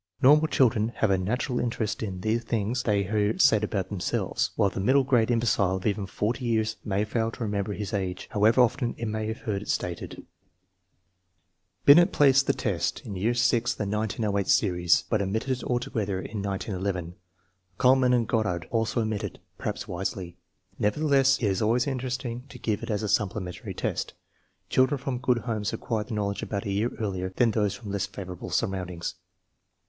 Normal children have a natural interest in the things they hear said about themselves, while the middle grade im becile of even 40 years may fail to remember his age, how ever often he may have heard it stated. Binet placed the test in year VI of the 1908 series, but omitted it altogether in 1911. Kuhlmann and Goddard 174 THE MEASUEEMENT OF INTELLIGENCE also omit it, perhaps wisely. Nevertheless, it is always in teresting to give as a supplementary test. Children from good homes acquire the knowledge about a year earlier than those from less favorable surroundings.